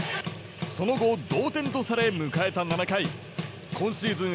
その後、同点とされ迎えた７回今シーズン